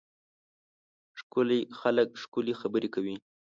ښکلي خلک ښکلې خبرې کوي.